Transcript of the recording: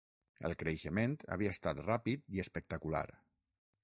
El creixement havia estat ràpid i espectacular.